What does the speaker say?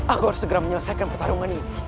aku harus segera menyelesaikan pertarungan ini